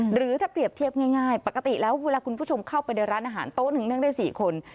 หรือถ้าเปรียบเทียบง่ายปกติแล้วเวลาคุณผู้ชมเข้าไปในร้านอาหารโต๊ะหนึ่งนั่งได้๔คน